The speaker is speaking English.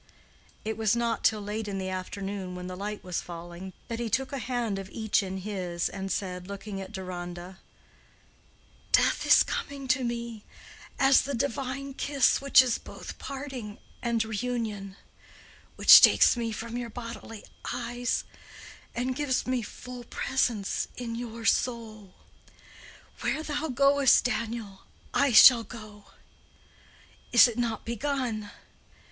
It was not till late in the afternoon, when the light was falling, that he took a hand of each in his and said, looking at Deronda, "Death is coming to me as the divine kiss which is both parting and reunion—which takes me from your bodily eyes and gives me full presence in your soul. Where thou goest, Daniel, I shall go. Is it not begun?